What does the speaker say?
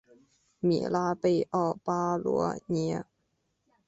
米拉贝奥巴罗涅。